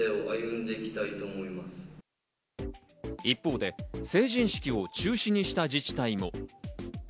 一方で成人式を中止にした自治体も。